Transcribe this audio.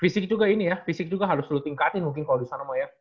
fisik juga ini ya fisik juga harus selalu tingkatin mungkin kalau di sana mah ya